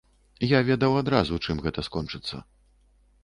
Я ведаў адразу, чым гэта скончыцца.